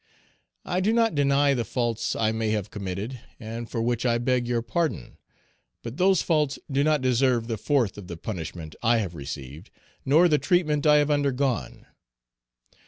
I do not deny the faults I may have committed, and for which I beg your pardon. But those faults do not deserve the fourth of the punishment I have received, nor the treatment I have undergone.